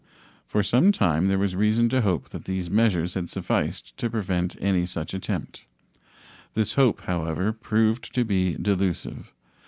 For some time there was reason to hope that these measures had sufficed to prevent any such attempt. This hope, however, proved to be delusive.